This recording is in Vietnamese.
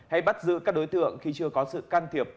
hay bắt giữ các đối tượng khi chưa có sự can thiệp